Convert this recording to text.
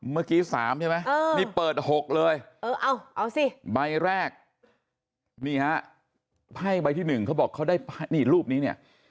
เมื่อกี้๓ใช่ไหมนี่เปิด๖เลยเอาสิใบแรกนี่ฮะไพ่ใบที่๑เขาบอกเขาได้นี่รูปนี้เนี่ย